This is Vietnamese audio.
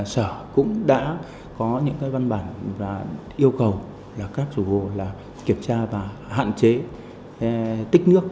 sở cũng đã có những văn bản và yêu cầu là các chủ hồ kiểm tra và hạn chế tích nước